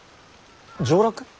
上洛？